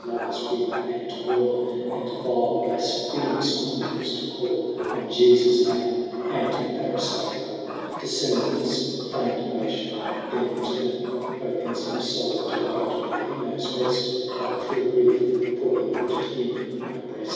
They fee idolatrous lovers weepe and mourne, And vile blafphemous Conjurers to call 10 On lefus name, and Pharifaicall Difiemblers feigne devotion. Then turne O penfive foule, to God, for he knowes beft Thy true griefe, for he put it in my breaft.